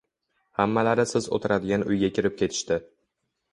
Hammalari siz oʻtiradigan uyga kirib ketishdi.